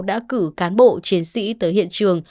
đã cử cán bộ chiến sĩ tới hiện trường